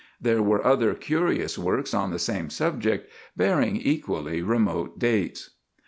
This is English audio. There were other curious works on the same subject, bearing equally remote dates.